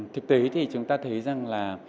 thực tế thì chúng ta thấy rằng là